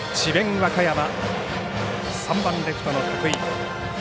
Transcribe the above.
和歌山３番レフトの角井